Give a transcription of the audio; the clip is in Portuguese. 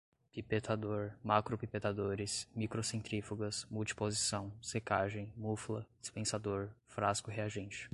pipetador, macropipetadores, microcentrífugas, multiposição, secagem, mufla, dispensador, frasco reagente